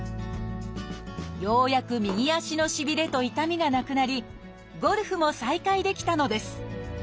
ようやく右足のしびれと痛みがなくなりゴルフも再開できたのです。